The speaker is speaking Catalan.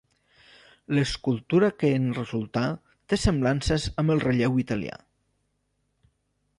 L’escultura que en resultà té semblances amb el relleu italià.